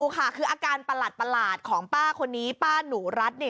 ค่ะคืออาการประหลาดของป้าคนนี้ป้าหนูรัฐเนี่ย